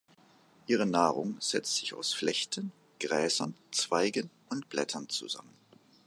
Ihre Nahrung setzt sich aus Flechten, Gräsern, Zweigen und Blättern zusammen.